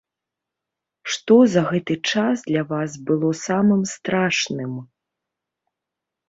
Што за гэты час для вас было самым страшным?